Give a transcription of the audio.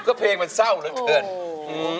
ก็เพลงมันเศร้าเลยเพื่อน